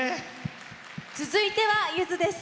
続いてはゆずです。